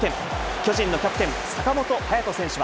巨人のキャプテン、坂本勇人選手は。